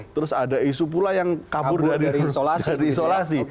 terus ada isu pula yang kabur dari isolasi